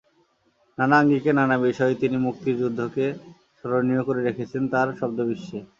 নানা আঙ্গিকে নানা বিষয়ে তিনি মুক্তির যুদ্ধকে স্মরণীয় করে রেখেছেন তাঁর শব্দবিশ্বে।